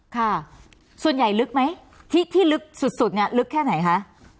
ค่ะส่วนใหญ่ลึกไหมที่ลึกสุดเนี่ยลึกแค่ไหนคะ